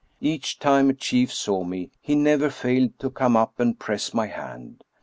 Each time a chief saw me, he never failed to come up and press my hand.